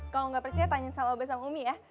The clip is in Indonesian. kalau nggak percaya tanya sama abah sama umi ya